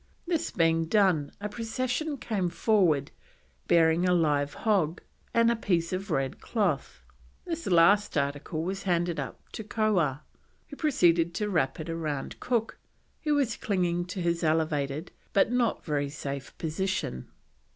This being done, a procession came forward bearing a live hog and a piece of red cloth. This last article was handed up to Koah, who proceeded to wrap it round Cook, who was clinging to his elevated but not very safe position.